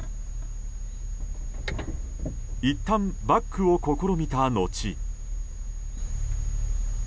いったんバックを試みた後。